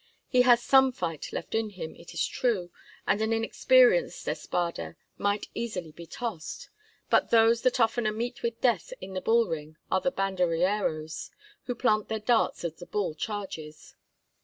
He has some fight left in him, it is true, and an inexperienced espada might easily be tossed. But those that oftener meet with death in the bull ring are the banderilleros, who plant their darts as the bull charges.